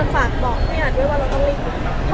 ฝากบอกพี่อันเวลาต้องรีบรุม